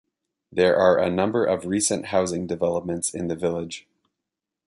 There are a number of recent housing developments in the village.